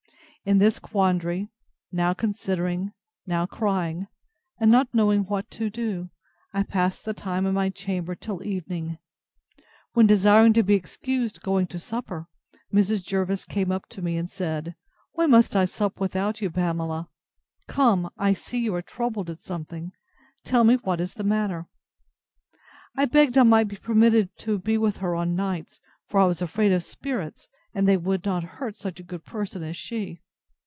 In this quandary, now considering, now crying, and not knowing what to do, I passed the time in my chamber till evening; when desiring to be excused going to supper, Mrs. Jervis came up to me, and said, Why must I sup without you, Pamela? Come, I see you are troubled at something; tell me what is the matter. I begged I might be permitted to be with her on nights; for I was afraid of spirits, and they would not hurt such a good person as she.